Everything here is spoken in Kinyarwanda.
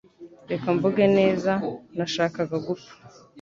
Reka mvuge neza Nashakaga gupfa.